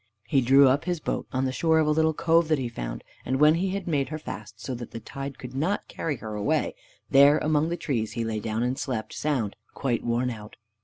He drew up his boat on the shore of a little cove that he found, and when he had made her fast, so that the tide could not carry her away, there among the trees he lay down, and slept sound, quite worn out.